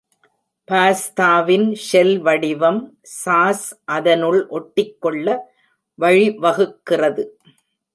பாஸ்தாவின் shell வடிவம் sauce அதனுள் ஒட்டிக்கொள்ள வழிவகுக்கிறது.